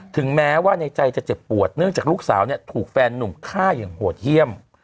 ถึงแม้ว่าในใจจะเจ็บปวดเนื่องจากลูกสาวถูกแฟนหนุ่มฆ่าอย่างโหดเยี่ยม